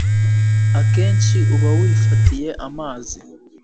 akenshi uba wifatiye amazi